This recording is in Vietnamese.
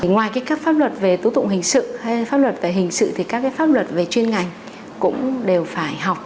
ngoài các pháp luật về tố tụng hình sự hay pháp luật về hình sự thì các pháp luật về chuyên ngành cũng đều phải học